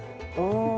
tidak ada di sini